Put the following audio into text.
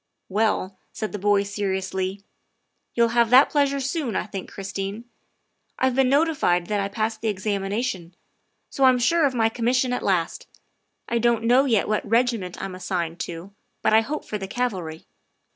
" Well," said the boy seriously, " you'll have that pleasure soon, I think, Christine. I 've been notified that I passed the examination, so I 'm sure of my commission at last. I don't know yet what regiment I'm assigned to, but I hope for the cavalry.